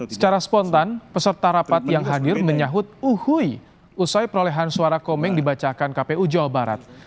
secara spontan peserta rapat yang hadir menyahut uhui usai perolehan suara komeng dibacakan kpu jawa barat